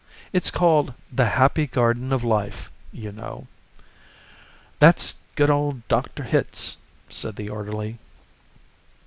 "It's called 'The Happy Garden of Life,' you know." "That's good of Dr. Hitz," said the orderly.